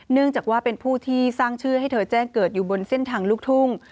เนื่องจากว่าเป็นผู้ที่สร้างชื่อให้เธอแจ้งเกิดอยู่บนเส้นทางลูกทุ่ง